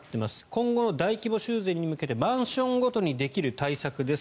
今後の大規模修繕に向けてマンションごとにできる対策です。